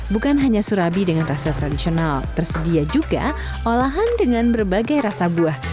bukan hanya surabi dengan rasa tradisional tersedia juga olahan dengan berbagai rasa buah